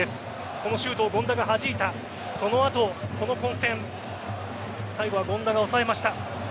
このシュートを権田がはじいたその後、この混戦最後は権田が抑えました。